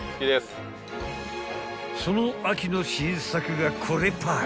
［その秋の新作がこれパイ］